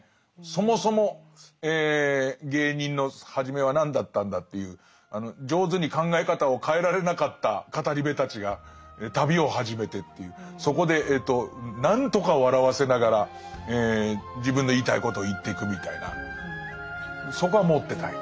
そもそも芸人のはじめは何だったんだっていう上手に考え方を変えられなかった語部たちが旅を始めてっていうそこで何とか笑わせながら自分の言いたいことを言ってくみたいなそこは持ってたい。